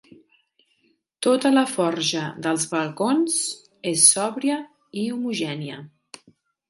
Tota la forja dels balcons és sòbria i homogènia.